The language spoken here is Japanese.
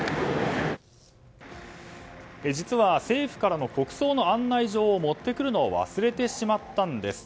実は、政府からの国葬の案内状を持ってくるのを忘れてしまったんです。